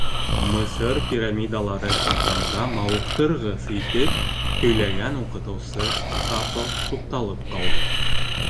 Мысыр пирамидалары хаҡында мауыҡтырғыс итеп һөйләгән уҡытыусы ҡапыл туҡталып ҡалды.